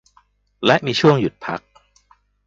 และมีช่วงหยุดพัก